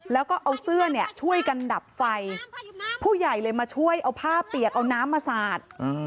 แล้วก็เอาเสื้อเนี่ยช่วยกันดับไฟผู้ใหญ่เลยมาช่วยเอาผ้าเปียกเอาน้ำมาสาด